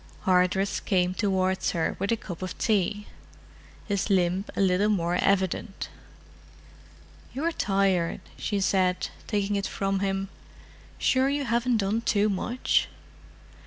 Hardress came towards her with a cup of tea, his limb a little more evident. "You're tired," she said, taking it from him. "Sure you haven't done too much?"